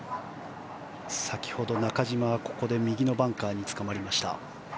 先ほど、中島はここで右のバンカーにつかまりました。